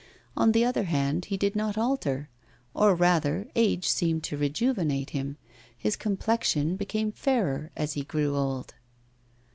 On the other hand, he did not alter; or, rather, age seemed to rejuvenate him; his complexion became fairer as he grew old.